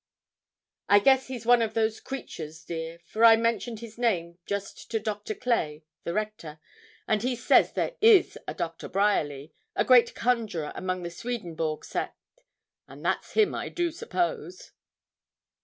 'I guess he's one of those creatures, dear, for I mentioned his name just to Dr. Clay (the rector), and he says there is a Doctor Bryerly, a great conjurer among the Swedenborg sect and that's him, I do suppose.'